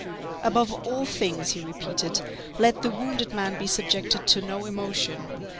"Above all things," he repeated, "let the wounded man be subjected to no emotion."